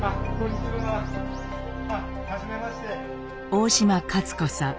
大島勝子さん